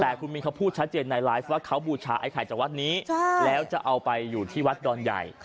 แต่คุณมินเขาพูดชัดเจนในไลฟ์ว่าเขาบูชาไอ้ไข่จากวัดนี้แล้วจะเอาไปอยู่ที่วัดดอนใหญ่